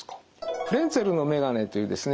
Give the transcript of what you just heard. フレンツェルのめがねというですね